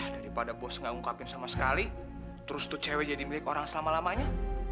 daripada bos nggak ngungkapin sama sekali terus to cewek jadi milik orang selama lamanya